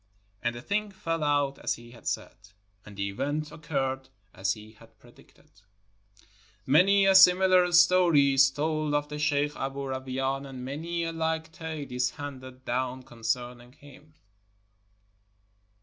And the thing fell out as he had said, and the event occurred as he had predicted. Many a similar story is told of the sheikh Aboo Ra wain, and many a like tale is handed down concerning him.